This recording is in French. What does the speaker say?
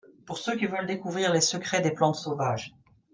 Pour ceux qui veulent découvrir les secrets des plantes sauvages